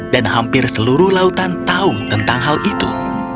dan hampir seluruh lautan tahu tentang hal itu